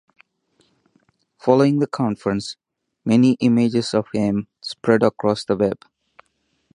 Following the conference, many images of him spread across the Web.